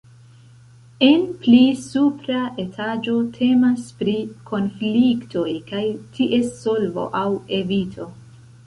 En pli supra etaĝo temas pri konfliktoj kaj ties solvo aŭ evito.